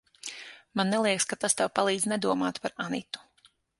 Man neliekas, ka tas tev palīdz nedomāt par Anitu.